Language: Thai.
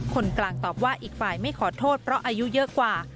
คนกลางตอบว่าอีกฝ่ายไม่ขอโทษเพราะอายุเยอะกว่า